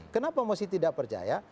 kenapa mosi tidak percaya